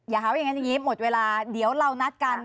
อย่างนั้นอย่างนี้หมดเวลาเดี๋ยวเรานัดกัน